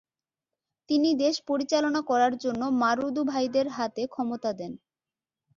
তিনি দেশ পরিচালনা করার জন্য মারুদু ভাইদের হাতে ক্ষমতা দেন।